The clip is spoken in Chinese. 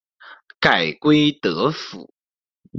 改归德府。